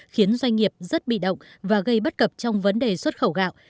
khiến doanh nghiệp rất bị động và gây bất cập trong vấn đề xuất khẩu gạo